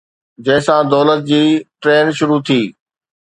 جنهن سان دولت جي ٽرين شروع ٿي